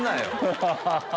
ハハハハ！